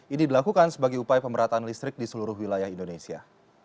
ini dilakukan sebagai upaya pemerataan listrik di seluruh wilayah indonesia